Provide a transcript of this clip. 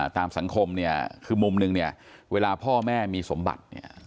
ตามสังคมคือมุมนึงเวลาพ่อแม่มีสมบัติ